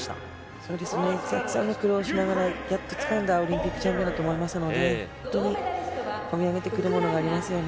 そうですね、たくさんの苦労をしながらやっとつかんだオリンピックチャンピオンだと思いますので、本当に込み上げてくるものがありますよね。